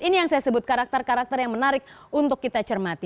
ini yang saya sebut karakter karakter yang menarik untuk kita cermati